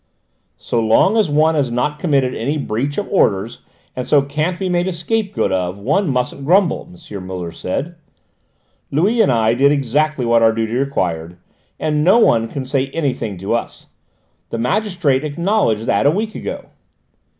"So long as one has not committed any breach of orders, and so can't be made a scapegoat of, one mustn't grumble," M. Muller said. "Louis and I did exactly what our duty required and no one can say anything to us. The magistrate acknowledged that a week ago."